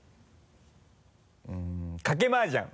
うん賭けマージャン。